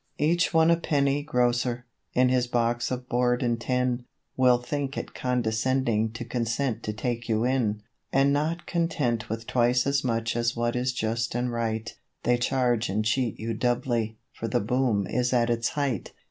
Each one a penny grocer, in his box of board and tin, Will think it condescending to consent to take you in; And not content with twice as much as what is just and right, They charge and cheat you doubly, for the Boom is at its height.